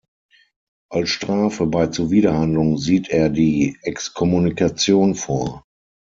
Als Strafe bei Zuwiderhandlung sieht er die Exkommunikation vor.